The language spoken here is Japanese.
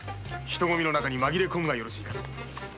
人ごみの中にまぎれ込むがよろしいかと。